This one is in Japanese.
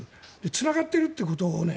つながっているということを。